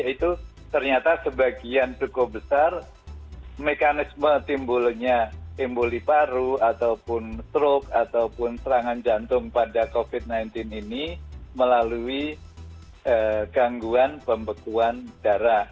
itu ternyata sebagian cukup besar mekanisme timbulnya emboli paru ataupun stroke ataupun serangan jantung pada covid sembilan belas ini melalui gangguan pembekuan darah